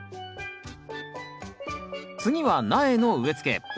次は苗の植え付け